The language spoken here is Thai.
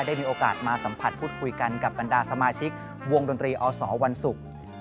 ได้มีโอกาสมาสัมผัสพูดคุยกันกับบรรดาสมาชิกวงดนตรีอสวันศุกร์